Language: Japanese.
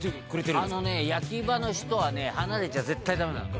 「あのね焼き場の人はね離れちゃ絶対ダメなの」